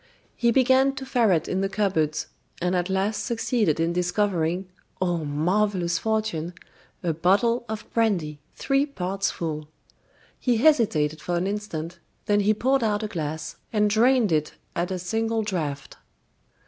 He began to ferret in the cupboards, and at last succeeded in discovering oh, marvelous fortune! a bottle of brandy, three parts full. He hesitated for an instant, then he poured out a glass, and drained it at a single draft.